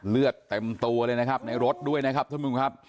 เลือดเต็มตัวเลยนะครับในรถด้วยนะครับท่านผู้ชมครับ